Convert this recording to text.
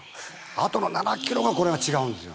あとの７ｋｍがこれが違うんです。